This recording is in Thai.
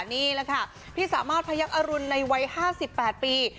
นี่แหละค่ะพี่สามารถพยักษรุณในวัย๕๘ปี